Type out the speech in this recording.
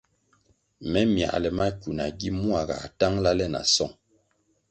Me myale mackwu nagi mua gā tangʼla le na song.